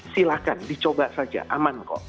silahkan dicoba saja aman kok